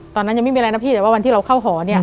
ตอนนั้นยังไม่มีอะไรนะพี่แต่ว่าวันที่เราเข้าหอเนี่ย